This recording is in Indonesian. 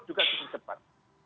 juga cukup cepat